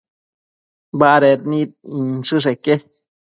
Baded nid inchësheque